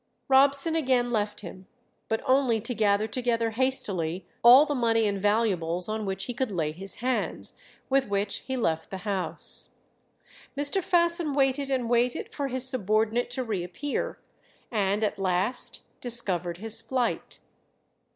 Robson again left him, but only to gather together hastily all the money and valuables on which he could lay his hands, with which he left the house. Mr. Fasson waited and waited for his subordinate to re appear, and at last discovered his flight.